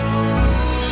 uang buat apa tante